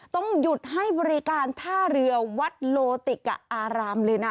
ต้องหยุดให้บริการท่าเรือวัดโลติกะอารามเลยนะ